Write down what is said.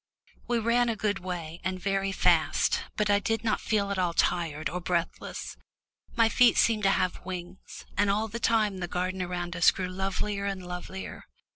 We ran a good way, and very fast. But I did not feel at all tired or breathless. My feet seemed to have wings, and all the time the garden around us grew lovelier and lovelier.